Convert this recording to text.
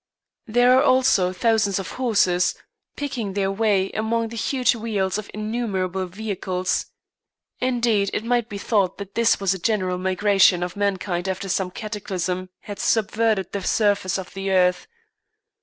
There are also thousands of horses, picking their way among the huge wheels of innumerable vehicles. Indeed it might be thought that this was a general migration of mankind after some cataclysm had subverted the surface of the earth.